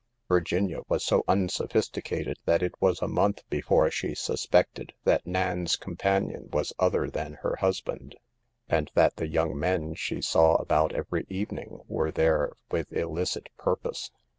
Virginia was so unsophisti cated that it was a month before she suspected that Nan's companion was other than her hus band, and that the young men she saw about every evening were there with illicit purpose.